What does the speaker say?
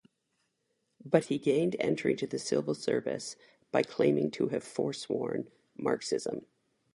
But he gained entry to the Civil Service by claiming to have foresworn Marxism.